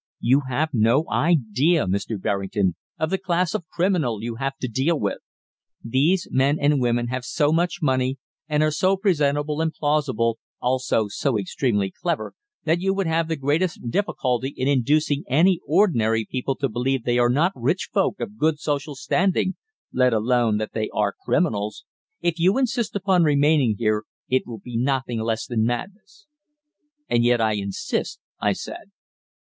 You have no idea, Mr. Berrington, of the class of criminal you have to deal with. These men and women have so much money and are so presentable and plausible, also so extremely clever, that you would have the greatest difficulty in inducing any ordinary people to believe they are not rich folk of good social standing, let alone that they are criminals. If you insist upon remaining here it will be nothing less than madness." "And yet I insist," I said.